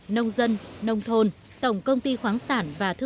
nông dân nông thôn tổng công ty khoáng sản